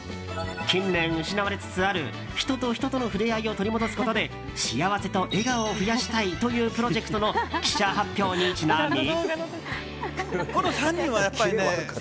近年失われつつある、人と人との触れ合いを取り戻すことで幸せと笑顔を増やしたいというプロジェクトの記者発表にちなみ。